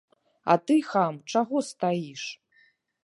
А ты, хам, чаго стаіш?